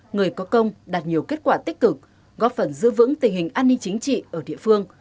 người có công đạt nhiều kết quả tích cực góp phần giữ vững tình hình an ninh chính trị ở địa phương